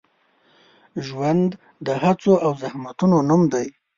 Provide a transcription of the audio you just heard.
ژوند د هڅو او زحمتونو نوم دی.